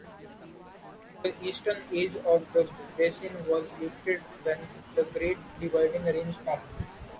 The eastern edge of the basin was uplifted when the Great Dividing Range formed.